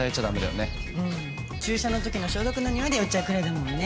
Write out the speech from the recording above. うん注射のときの消毒の臭いで酔っちゃうくらいだもんね。